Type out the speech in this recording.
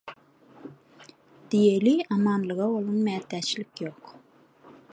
Diýeli amanlyga bolan mätäçlik ýok.